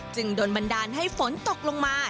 จึงโดนบันดาลให้ฝนตกลงมา